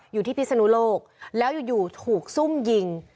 อยู่ที่พิษนุโลกแล้วอยู่ถูกซุ่มยิง